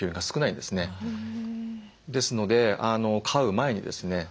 ですので飼う前にですね